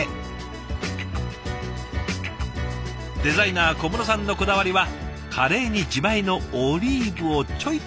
デザイナー小室さんのこだわりはカレーに自前のオリーブをちょいと添えること。